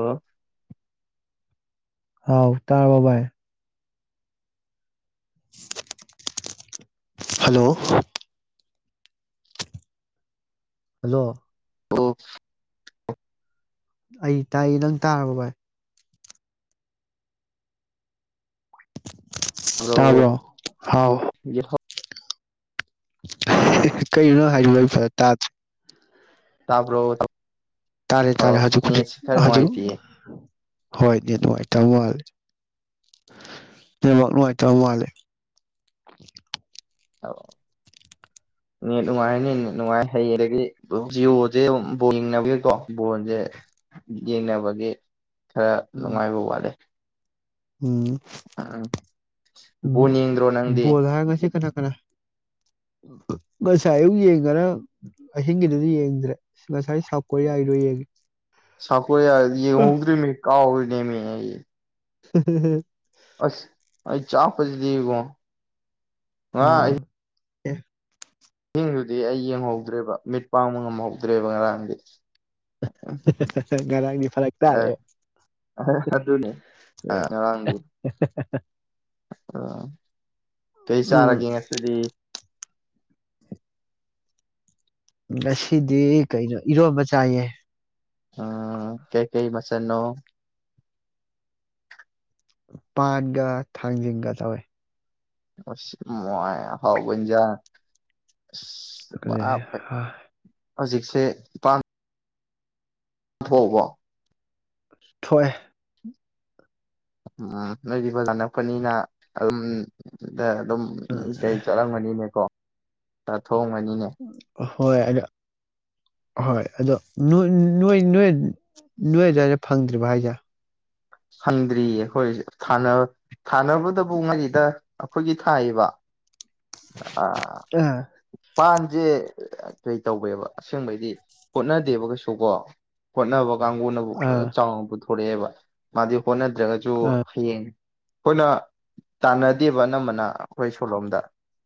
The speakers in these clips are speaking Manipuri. ꯑ ꯍꯥꯎ ꯇꯥꯔ ꯕꯥꯥꯏ ꯍꯂꯣ ꯍꯜꯂꯣ ꯑꯣ ꯑꯩ ꯇꯥꯏ ꯅꯪ ꯇꯥꯔꯕ ꯚꯥꯏ ꯇꯥꯕ꯭ꯔꯣ ꯍꯥꯎ ꯌꯦꯠꯍꯧ ꯀꯩꯅꯅꯣ ꯍꯥꯏꯔꯤꯕ ꯐ ꯇꯥ ꯇꯥꯞ꯭ꯔꯣ ꯇꯥꯔꯦ ꯇꯥꯔꯦ ꯍꯧꯖꯤꯛ ꯍꯧꯖꯤ ꯍꯧꯖꯤ ꯅꯨꯡꯉꯥꯏꯇꯦꯌꯦ ꯍꯣꯏ ꯅꯨꯡꯉꯥꯏ ꯇ ꯃꯥꯂꯦ ꯥꯛꯂꯉꯇ ꯃꯥꯂꯦ ꯅꯦꯠ ꯅꯨꯡꯉꯥꯏꯔꯅꯤ ꯅꯨꯡꯉꯥꯏ ꯍꯩ ꯑꯗꯒꯤ ꯖꯤꯑꯣꯁꯦ ꯕ ꯌꯦꯡꯅꯕꯒꯤꯀꯣ ꯕꯣꯟꯁꯦ ꯌꯦꯡꯅꯕꯒꯤ ꯈꯔ ꯅꯨꯡꯉꯥꯏꯕ ꯋꯥꯠꯂꯦ ꯎꯝ ꯎꯝ ꯅꯤꯗ꯭ꯔꯣ ꯅꯪꯗꯤ ꯕꯣꯜ ꯍꯥꯏꯔ ꯉꯁꯤ ꯀꯅꯥ ꯉꯁꯥꯏ ꯑꯌꯨꯛ ꯌꯦꯡꯉꯅ ꯑꯍꯤꯡꯒꯤꯗꯨꯗꯤ ꯌꯦꯡꯗ꯭ꯔꯦ ꯉꯁꯥꯏ ꯁꯥꯎꯠ ꯀꯣꯔꯤꯌꯥꯒꯤꯗꯣ ꯌꯦꯡꯉꯦ ꯁꯥꯀ ꯌꯥ ꯌꯦ ꯍꯧꯒꯔꯤ ꯀꯥ ꯅꯦꯃꯤ ꯍꯥꯏ [inaudible] ꯑꯁ ꯑꯩ ꯆꯥ ꯐꯁꯤꯗꯤꯀꯣ ꯑꯣ ꯑꯦ ꯏꯤꯡꯗꯨꯗꯤ ꯑꯩ ꯌꯦꯡꯍꯧꯗ꯭ꯔꯦꯕ ꯃꯤꯠ ꯄꯥꯡꯕ ꯉꯝꯍꯧꯗ꯭ꯔꯦꯕ ꯉꯔꯥꯡꯗꯤ ꯉꯔꯥꯡꯗꯤ ꯐꯔꯛ ꯑ ꯇꯥꯔꯦ ꯑꯗꯨꯅꯤ ꯑ ꯉꯔꯥꯡꯗꯤ ꯑ ꯀꯩ ꯎꯝ ꯆꯥꯔꯒꯦ ꯉꯁꯤꯗꯤ ꯉꯁꯤꯗꯤ ꯀꯩꯅꯣ ꯏꯔꯣꯕ ꯆꯥꯏꯌꯦ ꯎꯝ ꯀꯩ ꯀꯩ ꯃꯁꯅꯣ ꯄꯥꯠꯒ ꯊꯥꯡꯖꯤꯡꯒ ꯆꯋꯦ ꯃ ꯍꯥꯎꯕꯟꯖ [inaudible] ꯍꯧꯖꯤꯛꯁꯦꯝ ꯋꯥ ꯊꯣꯏ ꯎꯝ ꯂꯩꯔꯤꯕꯣꯏꯖꯥꯅꯛꯄꯅꯤꯅ ꯑꯗꯨꯝ ꯗ ꯑꯗꯨꯝ ꯎꯝ ꯀꯩ ꯆꯠꯂꯝꯒꯅꯤꯅꯦ ꯀꯣ ꯊ ꯊꯣꯡꯉꯅꯤꯅꯦ ꯍꯣꯏ ꯑꯗꯣ ꯑꯍꯣꯏ ꯑꯗꯣ ꯅꯣꯏ ꯅꯣꯏ ꯅꯣꯏ ꯑꯗꯨꯋꯥꯏꯗ ꯐꯪꯗ꯭ꯔꯤꯕ ꯍꯥꯏꯁꯦ ꯍꯟꯗ꯭ꯔꯤꯌꯦ ꯑꯩꯈꯣꯏ ꯊꯥꯅꯕꯗꯕꯨ ꯉꯥꯔꯤꯗ ꯑꯩꯈꯣꯏꯒꯤ ꯊꯥꯏꯌꯦꯕ ꯑꯥ ꯎ ꯄꯥꯟꯖꯦ ꯀꯩ ꯇꯧꯕꯦꯕ ꯑꯁꯦꯡꯕꯩꯗꯤ ꯍꯣꯠꯅꯗꯦꯕ ꯀꯩꯁꯨ ꯀꯣ ꯍꯣꯠꯅꯕ ꯅꯕꯨ ꯑꯥ ꯆ ꯄꯨꯦꯕ ꯃꯥꯖꯤꯒꯤ ꯐꯣꯟꯅꯦ ꯖꯁꯨꯣ ꯑꯥ ꯍꯌꯦ ꯑꯩꯈꯣꯏꯅ ꯇꯥꯟꯅꯗꯦꯕ ꯑꯅꯝꯕꯅ ꯑꯩꯈꯣꯏ ꯁꯣꯂꯣꯝꯗ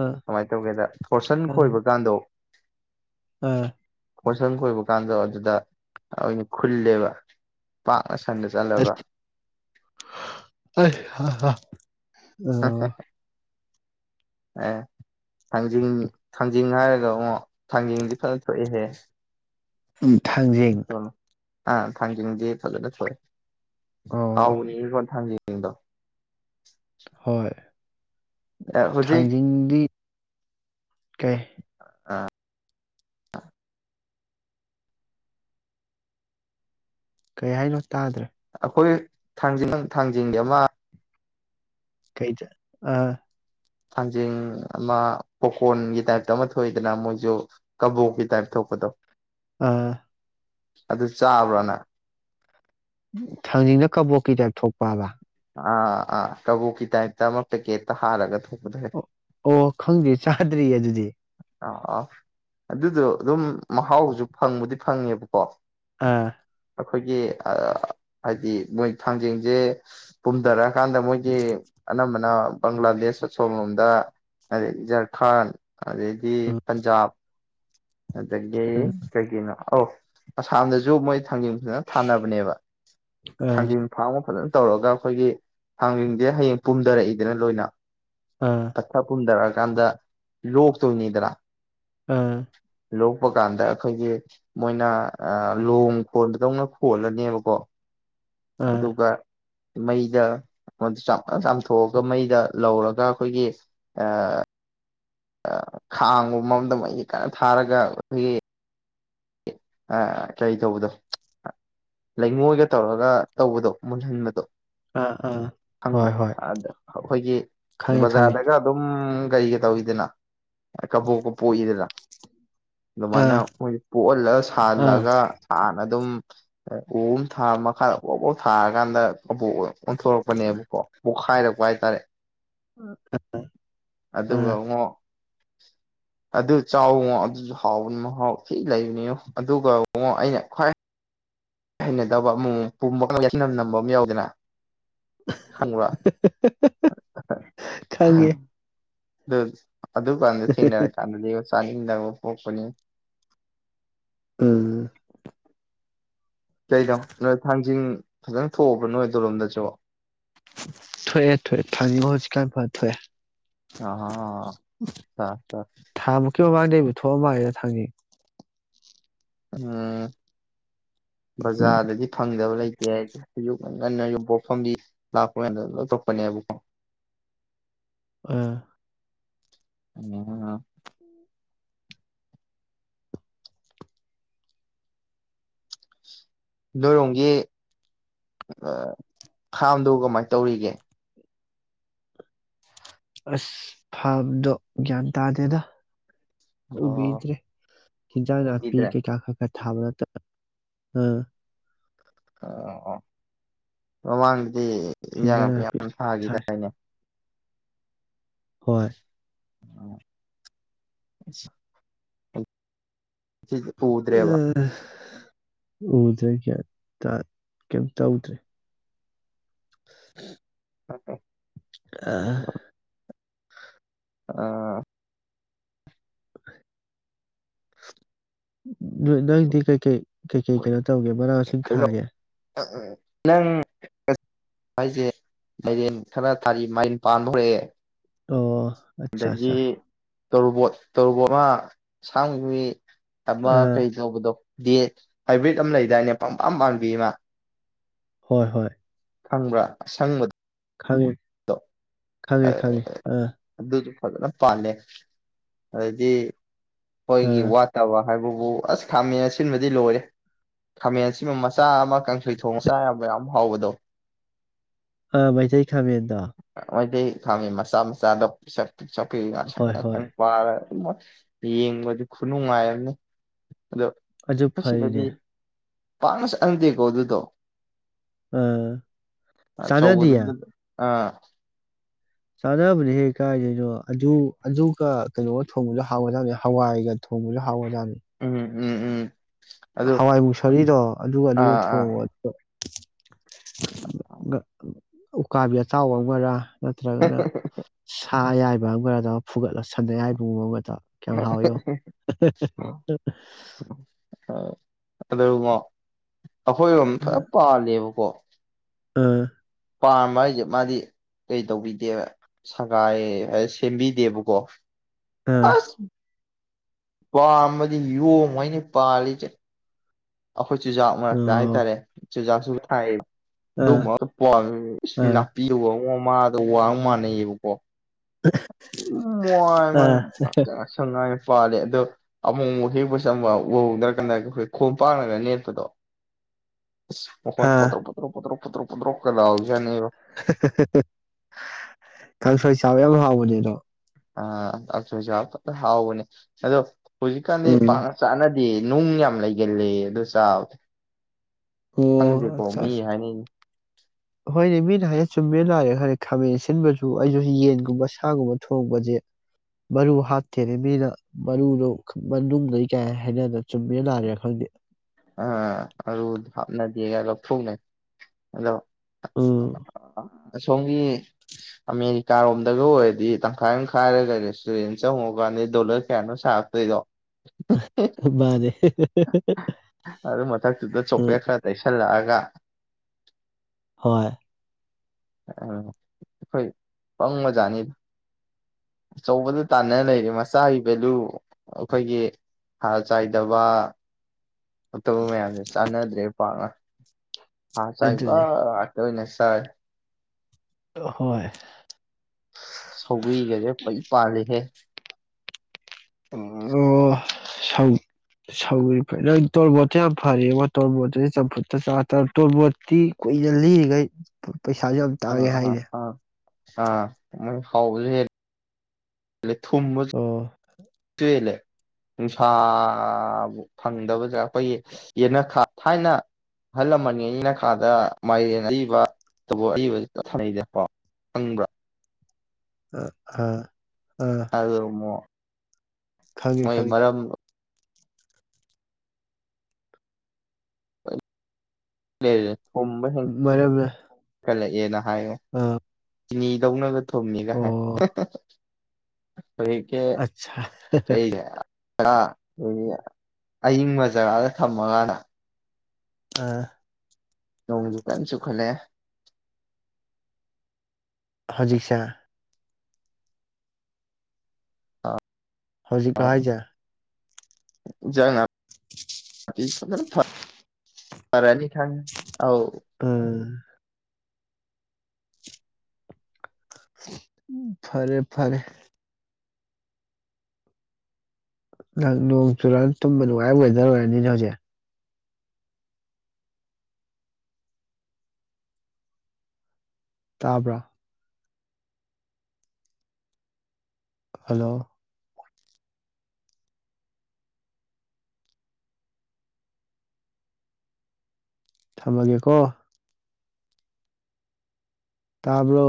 ꯑꯥ ꯀꯃꯥꯏꯅ ꯇꯧꯒꯦꯗ ꯊꯣꯔꯁꯟ ꯈꯣꯏꯕ ꯀꯥꯟꯗꯣ ꯑꯥ ꯄꯣꯟꯠꯁꯟ ꯀꯣꯏꯕ ꯀꯥꯟꯗ ꯑꯗꯨꯗ ꯑꯩꯅ ꯈꯨꯜꯂꯦꯕ ꯑ ꯁꯟꯗ ꯆꯠꯂꯒ ꯑ ꯑ ꯑꯦ ꯊꯥꯡꯖꯤꯡ ꯊꯥꯡꯖꯤꯡ ꯍꯥꯏꯔꯒ ꯑꯣꯛ ꯊꯥꯡꯖꯤꯡꯗꯤ ꯐꯖꯅ ꯊꯣꯛꯑꯦꯍꯦ ꯊꯥꯡꯖꯤꯡ ꯑ ꯊꯝꯖꯗꯤ ꯆꯦ ꯊꯣꯛꯋ ꯑꯣ ꯍꯥꯎꯅꯤꯒꯣꯟ [inaudible] ꯍꯣꯏ ꯍꯧꯖꯤꯛ ꯊꯥꯡꯖꯤꯡꯗꯤ ꯀꯦ ꯀꯩ ꯍꯥꯏꯅꯣ ꯇꯥꯗ꯭ꯔꯦ ꯑꯩꯈꯣꯏ ꯊꯥꯡꯖꯤꯡ ꯊꯥꯡꯖꯤꯡꯒꯤ ꯑꯃ ꯀꯩꯗ ꯑꯥ ꯊꯥꯡꯖꯤꯡ ꯑꯃ ꯄꯣꯀꯣꯔꯟꯒꯤ ꯇꯥꯏꯞꯇ ꯑꯃ ꯊꯣꯛꯏꯗꯅ ꯃꯣꯏꯁꯨ ꯀꯕꯣꯛꯀꯤ ꯇꯥꯏꯞ ꯊꯣꯛꯄꯗꯣ ꯑꯥ ꯑꯗꯨ ꯆꯥꯕ꯭ꯔꯥꯅ ꯊꯥꯡꯖꯤꯡꯅ ꯀꯕꯣꯛꯀꯤ ꯇꯥꯏꯞ ꯊꯣꯛꯄꯕ ꯑꯥ ꯑꯥ ꯀꯕꯣꯛꯀꯤ ꯇꯥꯏꯞꯇ ꯑꯃꯨꯛ ꯄꯦꯀꯦꯠꯇ ꯍꯥꯜꯂꯒ ꯊꯣꯛ ꯑꯣ ꯑꯣ ꯈꯪꯗꯦ ꯆ ꯐꯠꯗ꯭ꯔꯤ ꯑꯗꯨꯗꯤ ꯑꯥ ꯑꯥ ꯑꯗꯨꯗꯣ ꯑꯗꯨꯝ ꯃꯍꯥꯎꯁꯨ ꯐꯪꯕꯨꯗꯤ ꯐꯪꯉꯦꯕꯀꯣ ꯑꯥ ꯑꯩꯈꯣꯏꯒꯤ ꯍꯥꯏꯗꯤ ꯃꯣꯏ ꯊꯥꯡꯖꯦꯡꯁꯦ ꯄꯨꯝꯊꯔꯛꯑꯀꯥꯟꯗ ꯃꯣꯏꯒꯤ ꯑꯅꯝꯕꯅ ꯕꯪꯒ꯭ꯂꯥꯗꯦꯁ ꯑ ꯁꯣꯂꯣꯝꯗ ꯑꯗꯩ ꯏꯖꯔꯈꯥꯟ ꯑꯗꯨꯗꯩꯗꯤ ꯄꯟꯖꯥꯕ ꯑꯗꯨꯗꯒꯤꯦ ꯑꯥ ꯀꯒꯅꯣ ꯑꯧ ꯑꯁꯥꯝꯗꯖꯨ ꯃꯣꯏ ꯊꯥꯡꯖꯤꯡ ꯐꯖꯅ ꯊꯥꯅꯕꯅꯦꯕ ꯑꯥ ꯊꯥꯡꯖꯤꯡ ꯐꯥꯔ꯭ꯝ ꯒ ꯐꯖꯅ ꯇꯧꯔꯒ ꯑꯩꯈꯣꯏꯒꯤ ꯊꯥꯡꯖꯡꯁꯦ ꯍꯌꯦꯡ ꯄꯨꯝꯊꯔꯛꯏꯗꯅ ꯂꯣꯏꯅ ꯑꯥ ꯑꯥ ꯑꯊ ꯄꯨꯟꯗꯔꯒ ꯀꯥꯟꯗ ꯂꯣꯛꯇꯣꯅꯤꯗ꯭ꯔꯥ ꯑꯥ ꯂꯣꯛꯄ ꯀꯥꯟꯗ ꯑꯩꯈꯣꯏꯒꯤ ꯃꯣꯏꯅ ꯂꯣꯡ ꯈꯣꯟꯕꯗꯧꯅ ꯈꯣꯜꯂꯅꯦꯕꯀꯣ ꯑꯥ ꯑꯗꯨꯒ ꯃꯩꯗ ꯃꯣꯟꯗꯨ ꯆꯥꯝꯊꯣꯛꯑꯒ ꯃꯩꯗ ꯂꯧꯔꯒ ꯑꯩꯈꯣꯏꯒꯤ ꯈꯥꯡꯕ ꯃꯔꯝꯗ ꯑꯩꯁ ꯀꯟꯅ ꯊꯥꯔꯒ ꯑꯩꯈꯣꯏꯒꯤ ꯑ ꯀꯔꯤ ꯇꯧꯕꯗꯣ ꯂꯩꯉꯣꯏꯒ ꯇꯧꯔꯒ ꯇꯧꯕꯗꯣ ꯃꯨꯟꯍꯟꯕꯗꯣ ꯑꯥ ꯑꯥ ꯪꯕ ꯍꯣꯏ ꯍꯣꯏ ꯑ ꯑꯩꯈꯣꯏꯒꯤ ꯈꯪꯉꯦ ꯈꯪꯉꯦ ꯕꯖꯥꯔꯗꯒ ꯑꯗꯨꯝ ꯀꯔꯤꯒ ꯇꯧꯋꯗꯅ ꯀꯕꯣꯛꯀ ꯄꯣꯛꯏꯗꯅ ꯃꯅ ꯑꯥ ꯂ ꯑꯥ ꯊꯥꯍꯜꯂꯛꯒ [inaudible] ꯅ ꯑꯗꯨꯝ ꯎꯍꯨꯝ ꯊꯥ ꯃꯈꯥꯗ ꯥꯎ ꯄꯣꯛ ꯊꯥꯔꯀꯥꯟꯗꯕꯣꯛ ꯑꯣꯟꯊꯣꯔꯛꯄꯅꯦꯕꯀꯣ ꯄꯣꯛꯈꯥꯏꯔꯛ ꯋꯥꯏꯇꯥꯔꯦ ꯑꯥ ꯑꯗꯨꯒꯉꯣ ꯑꯗꯨ ꯆꯥꯎ ꯑꯗꯨꯁꯨ ꯍꯥꯎ ꯍꯥꯎ ꯀꯩ ꯂꯩꯅꯦꯣ ꯑꯗꯨꯒ ꯃꯉꯣ ꯑꯩꯅ ꯈ꯭ꯋꯥꯏ ꯍꯩꯅ ꯇꯧꯕ ꯑꯃꯨ ꯅꯝ ꯅꯝꯕ ꯑꯃ ꯌꯥꯎꯗꯅ ꯈꯡꯕꯔꯥ ꯑꯥ ꯈꯪꯉꯦ ꯎꯝ ꯑꯗꯨ ꯀꯥꯟꯗ ꯊꯦꯡꯅꯔ ꯀꯥꯟꯗꯗꯤ ꯆꯥꯅꯤꯡꯗꯕꯥ ꯄꯣꯛꯄꯅꯤ ꯎꯝ ꯀꯩꯅꯣ ꯅꯣꯏ ꯊꯥꯡꯖꯤꯡ ꯐꯖꯅ ꯊꯣꯛꯑꯕ ꯅꯣꯏ ꯗꯂꯣꯝꯗꯁꯨ ꯊꯣꯛꯑꯦ ꯊꯣꯛꯑꯦ ꯊꯪꯖꯤꯡ ꯀꯥꯏ ꯐ ꯊꯑꯦ ꯑꯥ ꯇ ꯇ ꯅꯕ ꯊꯣꯑ ꯃꯥꯏꯅ ꯊꯥꯡꯉꯤ ꯎꯝ ꯎꯝ ꯕꯖꯥꯔꯗꯗꯤ ꯐꯪꯗꯕ ꯂꯩꯇꯦ ꯍꯥꯏꯁꯦ ꯉꯟꯅ ꯌ ꯄꯣꯔꯐꯝꯗꯤ ꯂꯥꯛꯄꯗ ꯂꯧꯊꯣꯛꯄꯅꯦꯕꯀꯣ ꯑꯥ ꯑ ꯅꯣꯏꯔꯣꯡꯒꯤ ꯐꯝꯗꯣ ꯀꯃꯥꯏꯅ ꯇꯧꯔꯤꯒꯦ ꯑꯁ ꯐꯥꯝꯗꯣ ꯒ꯭ꯌꯥꯟ ꯇꯥꯗꯦꯗ ꯑꯣ ꯎꯕꯤꯗꯔ꯭ꯦ ꯍꯤꯟꯖꯥꯡ ꯅꯥꯄꯤ ꯎꯈꯤꯗ꯭ꯔꯦ ꯀꯩꯀꯈꯛꯇꯅꯦ ꯊꯥꯕ ꯅꯠꯇ ꯎꯝ ꯑ ꯃꯃꯥꯡꯗꯗꯤ ꯏꯟꯖꯥꯡ ꯍꯤꯟꯖꯥꯡ ꯅꯥꯄꯤ ꯌꯥꯝ ꯊꯥꯏ ꯊꯈꯤꯗꯥꯏꯅꯦ ꯍꯣꯏ ꯎ ꯎ ꯎꯗꯔ꯭ꯦꯕꯥ ꯑꯥ ꯎꯗ꯭ꯔꯦ ꯀꯦꯝꯃꯥ ꯀꯦꯝꯇꯧꯗꯔ꯭ꯦ ꯑꯦ ꯑ ꯑꯥ ꯅꯣꯏꯗꯤ ꯀꯩ ꯀꯩ ꯀꯩ ꯀꯩ ꯀꯩꯅꯣ ꯇꯧꯒꯦ ꯃꯅꯥ ꯃꯁꯤꯡ ꯀꯩꯅꯣ ꯊꯥꯒꯦ ꯅꯪ ꯍꯥꯏꯁꯦ ꯃꯥꯏꯔꯦꯟ ꯈꯔ ꯊꯥꯔꯤ ꯃꯥꯏꯟ ꯄꯥꯟꯕ ꯍꯧꯔꯛꯑꯦ ꯑꯣ ꯑꯆꯥ ꯑꯆꯥ ꯇꯧꯔꯕꯣꯠ ꯇꯧꯔꯕꯣꯠ ꯑꯃ ꯁꯥꯡꯕꯤ ꯇꯃ ꯑꯥ ꯀꯩ ꯆꯥꯎꯕꯗꯣ ꯗꯤ ꯍꯥꯏꯕ꯭ꯔꯤꯠ ꯑꯃ ꯂꯩꯗꯥꯏꯅꯦ ꯄꯝꯄꯥꯝ ꯄꯥꯝꯕꯤ ꯑꯃ ꯍꯣꯏ ꯍꯣꯏ ꯈꯪꯕ꯭ꯔꯥ ꯑꯁꯪꯕꯗ ꯈꯪꯉꯤ ꯈꯪꯉꯤ ꯈꯪꯉꯤ ꯑ ꯑꯗꯨꯁꯨ ꯐꯖꯅ ꯄꯥꯜꯂꯦ ꯑꯗꯩꯗꯤ ꯍꯣꯏꯒꯤ ꯑꯥ ꯋꯥ ꯇ ꯋꯥ ꯍꯥꯏꯕꯕꯨ ꯑꯁ ꯈꯥꯃꯦꯟ ꯑꯁꯤꯟꯕꯗꯤ ꯂꯣꯏꯔꯦ ꯈꯥꯃꯦꯟ ꯑꯁꯤꯃ ꯃꯁ ꯆꯥ ꯑꯃ ꯀꯥꯡꯁꯣꯏ ꯊꯣꯡꯉ ꯆꯥ ꯌꯥꯕ ꯌꯥꯝ ꯍꯥꯎꯕꯗꯣ ꯑ ꯃꯩꯇꯩ ꯈꯥꯃꯦꯟꯗꯣ ꯃꯩꯇꯩ ꯈꯥꯃꯦꯟ ꯃꯆꯥ ꯃꯆꯥꯗꯣ ꯄꯤꯁꯛ ꯄꯤꯁꯛ ꯄꯤꯛ ꯉꯥꯡꯁꯪ ꯍꯣꯏ ꯍꯣꯏ ꯉꯥꯡꯁꯪ ꯄꯥꯔꯒꯥ ꯏꯃꯥꯏ ꯌꯦꯡꯕꯗꯤ ꯈꯨꯅꯨꯡꯉꯥꯏꯝꯅꯤ ꯑꯗꯣ ꯑꯗꯨ ꯑꯁꯤꯗꯗꯤ ꯐꯔꯤꯅꯦ ꯄꯥꯛꯅꯥ ꯆꯥꯅꯗꯦꯀꯣ ꯑꯗꯨ ꯗꯣ ꯑ ꯆꯥꯅꯗꯤꯌꯦ ꯑꯆꯧꯕꯗꯨꯗ ꯑꯥ ꯆꯥꯅꯕꯅꯤ ꯍꯦ ꯀꯥꯏꯗꯩꯅꯣ ꯑꯗꯨ ꯑꯗꯨꯒ ꯀꯩꯅꯣꯒ ꯊꯣꯡꯕꯖꯨ ꯍꯥꯎꯒꯖꯥꯅꯤ ꯍꯋꯥꯏꯒ ꯊꯣꯡꯕꯖꯨ ꯍꯥꯎꯒꯖꯥꯅꯤ ꯎꯝ ꯎꯝ ꯎꯝ ꯑꯗꯨ ꯍꯋꯥꯏ ꯃꯨꯁꯣꯔꯤꯗꯣ ꯑꯗꯨꯒ ꯑꯗꯨꯒ ꯑꯥ ꯊꯣꯡꯉꯣ ꯑꯥ ꯎꯀꯥꯕꯤ ꯑꯇꯥꯎꯕ ꯑꯃꯔꯥ ꯅꯠꯇ꯭ꯔꯒꯅ ꯑꯥ ꯑꯌꯥꯏꯕ ꯑꯝꯒꯔꯗ ꯐꯨꯒꯠꯂ ꯁꯟ ꯑꯌꯥꯏꯕꯒꯨꯝꯕ ꯑꯃ ꯀꯌꯥꯝ ꯍꯥꯎꯋꯤ ꯌꯦꯡꯉꯣ [unintelligible] ꯑꯈꯣꯏꯔꯣꯝ ꯐꯖ ꯄꯥꯜꯂꯦꯕꯣ ꯀꯣ ꯑꯝ ꯄꯥꯝꯕ ꯍꯥꯏꯖꯦ ꯃꯥꯗꯤ ꯀꯩ ꯇꯧꯕꯤꯗꯦꯕ ꯁꯒꯥꯏ ꯍꯥꯏ ꯁꯦꯝꯕꯤꯗꯦꯕꯀꯣ ꯑꯥ ꯑꯁ ꯄꯥꯝꯃꯗꯤ ꯌꯣꯝꯉꯩꯅꯤ ꯄꯥꯜꯂꯤꯖꯦ ꯈꯣꯏ ꯆꯨꯖꯥꯛ ꯃꯔꯛꯇ ꯑꯣ ꯍꯥꯏꯇꯥꯔꯦ ꯖꯁꯨ ꯊꯥꯏ ꯑꯗꯨ ꯑꯥ ꯄ ꯑꯥ ꯂꯅꯥꯄꯤ ꯑꯣ ꯃꯥ ꯑꯗꯣ ꯋꯥꯡ ꯃꯥꯥꯟꯅꯩꯑꯕꯀꯣ ꯃ ꯑꯥ ꯃ ꯁꯉꯥꯏ ꯄꯥꯂꯦ ꯑꯗꯣ ꯑꯃꯨꯛ ꯑꯃꯨꯛ ꯍꯦꯛꯄ ꯆꯝꯕ ꯎꯍꯧꯗ꯭ꯔꯀꯥꯟꯗ ꯑꯩꯈꯣꯏ ꯈꯣꯡꯝ ꯄꯥꯡꯅꯒ ꯅꯦꯠꯄꯗꯣ ꯍꯣꯏ ꯄꯠꯇ꯭ꯔꯣ ꯄ꯭ꯔꯣ ꯄ꯭ꯔꯣ ꯄꯣ ꯄꯟ꯭ꯔꯣ ꯀꯅ ꯍꯧ ꯀꯪ ꯁ ꯇꯃꯦꯕꯨ ꯍꯕꯣꯖꯗꯣ ꯑꯣꯏꯖ ꯍꯥꯎꯅꯦ ꯑꯗꯣ ꯍꯧꯖꯤꯛꯀꯥꯟꯗꯤ ꯎꯝ ꯄ ꯆꯥꯅ ꯍꯥꯏꯗꯤ ꯅꯨꯡ ꯌꯥꯝ ꯂꯩꯒꯜꯂꯤ ꯑꯗꯨ ꯆꯥꯎꯗꯦ ꯑꯣ ꯑꯠꯆꯥ ꯑ ꯍꯣꯏꯅꯦ ꯃꯤꯅ ꯍꯥꯏꯅ ꯆꯨꯝ ꯆꯨꯝꯃꯦꯅ ꯂꯥꯔꯦ ꯈꯪꯗꯦ ꯈꯥꯃꯦꯟ ꯑꯁꯤꯟꯕꯁꯨ ꯑꯩꯁꯨ ꯌꯦꯟꯒꯨꯝꯕ ꯁꯥꯒꯨꯝꯕ ꯊꯣꯡꯕꯁꯦ ꯃꯔꯨ ꯍꯥꯠꯇꯦꯅꯦ ꯃꯤꯅ ꯃꯔꯨꯗꯣ ꯃꯅꯨꯡꯗꯩ ꯀꯥꯏ ꯍꯥꯏꯅꯗꯅ ꯆꯨꯝꯃꯦꯅ ꯂꯥꯛꯑꯦꯥ ꯈꯪꯗꯦ ꯅꯗꯤꯒ ꯂꯣ ꯐ꯭ꯔꯨꯅꯦ ꯃ ꯑꯥ ꯑꯁꯣꯝꯒꯤ ꯑꯃꯦꯔꯤꯀꯥꯔꯣꯝꯗꯒ ꯑꯣꯏꯔꯗꯤ ꯇꯪꯈꯥꯏ ꯇꯪꯈꯥꯏꯔꯒ ꯔꯦꯁꯇꯨꯔꯦꯟ ꯆꯪꯉꯀꯥꯟꯗ ꯗꯣꯂꯔ ꯀꯌꯥꯅꯣ ꯁꯥꯔꯛꯇꯣꯏꯗꯣ ꯃꯥꯔꯦ ꯑꯔꯦ ꯃꯊꯛ ꯇꯨꯗ ꯎꯝ ꯆꯣꯀꯂ ꯈꯥ ꯇ ꯁꯂ ꯇꯒ ꯍꯣꯏ ꯎ ꯑꯩꯈꯣꯏ ꯄꯪ ꯃꯖꯥꯅꯤꯗ ꯑꯆꯧꯕꯗ ꯇꯥꯟꯅꯅ ꯂꯩꯔꯤ ꯃꯆꯥꯒꯤ ꯚꯦꯂꯨ ꯑꯩꯈꯣꯏꯒꯤ ꯍꯥꯔ ꯆꯥꯏꯗꯕ ꯑꯇꯣꯞꯄ ꯃꯌꯥꯝꯁꯦ ꯆꯥꯟꯅꯗ꯭ꯔꯦ ꯄꯥꯅ ꯍꯥ ꯆꯥꯏꯕ ꯑꯗꯨꯅꯤ ꯑꯇ ꯍ ꯅꯁꯤ ꯇꯥꯏ ꯍꯣꯏ ꯁꯧꯒ꯭ꯔꯤꯒꯁꯦ ꯐꯩ ꯄꯥꯜꯂꯤꯍꯦ ꯑꯣ ꯑꯣ ꯁ ꯁꯧ ꯐ ꯅ ꯇꯣꯔꯕꯣꯠꯇꯁ ꯌꯥꯝ ꯐꯔꯦꯕ ꯇꯣꯔꯕꯣꯠꯇꯨꯦ ꯆꯝꯐꯨꯠꯇ ꯆꯥ ꯇꯣꯔꯕꯣꯠꯇꯤ ꯀꯨꯏꯅ ꯂꯤꯔꯤꯈꯩ ꯄꯩꯁꯥꯁꯨ ꯌꯥꯝ ꯇꯥꯋꯦ ꯑꯥ ꯑꯥ ꯍꯥꯏꯁꯦ ꯑꯥ ꯑꯥ ꯃ ꯍꯥꯎꯁ ꯊꯨꯝꯕꯣ ꯑꯣ ꯆꯦꯜꯂꯦ ꯅꯨꯡꯁꯥꯕꯨ ꯐꯪꯗꯕꯗ ꯑꯩꯈꯣꯏꯒꯤ ꯌꯦꯅꯈꯥ ꯊꯥꯏꯅ ꯑꯍꯜ ꯂꯃꯟꯅꯤ ꯌꯦꯅꯈꯥꯗ ꯃꯥꯏ ꯑꯏꯕ ꯑꯅꯩꯣ ꯐꯪꯕ꯭ꯔꯥ ꯑ ꯑꯗꯨꯗꯑꯃꯨꯛ ꯈꯪꯉꯤ ꯍꯣꯏꯌꯦ ꯈꯪꯉꯤ ꯃꯔꯝ- ꯂꯩꯖꯔꯦ ꯈꯨꯝꯕ ꯍꯦꯟ ꯃꯔꯝꯅ ꯇꯜꯂꯦ- ꯍꯦꯟꯅ ꯍꯥꯏꯌꯣ ꯑꯥ ꯆꯤꯅꯤ ꯗꯧꯅꯒ ꯊꯨꯝꯃꯤꯒ ꯍꯥꯏ ꯑꯣ ꯍ ꯍ ꯍ ꯍꯧꯖꯤꯛꯀꯤ ꯑꯠꯆꯥ ꯑꯇꯩꯖꯦ ꯑꯥ ꯑꯩꯈꯣꯏꯒꯤ ꯑꯌꯤꯡꯕ ꯖꯒꯥꯗ ꯊꯝꯃꯀꯥꯟꯗ ꯑ ꯅꯣꯡꯖꯨ ꯀꯟ ꯆꯨꯈꯠꯂꯛꯑꯦ ꯍꯧꯖꯤꯛꯁꯦ ꯑꯥ ꯍꯧꯖꯤꯛ ꯂꯣ ꯍꯥꯏꯖꯦ ꯏꯟꯖꯥꯡ ꯅꯥ- [inaudible] ꯄꯤ ꯐꯖꯅ [unintelligible] ꯐꯔ ꯐꯔꯅꯤ ꯈꯪꯉꯦ ꯑꯥꯎ ꯎꯝ ꯐꯔꯦ ꯐꯔꯦ ꯅꯪ ꯅꯣꯡ ꯆꯨꯔꯥꯟ ꯇꯨꯝꯕ ꯅꯨꯡꯉꯥꯏꯕ ꯋꯦꯗꯔ ꯑꯣꯏꯔꯅꯤꯅꯦ ꯍꯧꯖꯤꯛ ꯇꯥꯕ꯭ꯔꯥ ꯍꯜꯂꯣ ꯊꯝꯃꯒꯦꯀꯣ ꯇꯥꯕ꯭ꯔꯣ